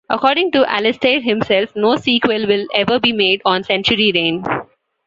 According to Alastair himself, no sequel will ever be made on Century Rain.